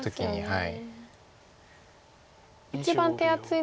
はい。